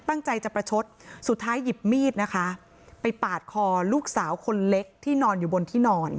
ตั้งใจจะประชดสุดท้ายหยิบมีดนะคะไปปาดคอลูกสาวคนเล็กที่นอนอยู่บนที่นอน